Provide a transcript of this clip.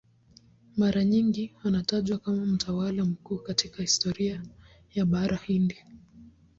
Mara nyingi anatajwa kama mtawala mkuu katika historia ya Bara Hindi.